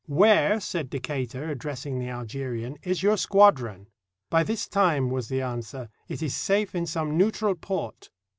"Where," said Decatur, addressing the Algerian, "is your squad ron?" "By this time," was the answer, "it is safe in some neutral port."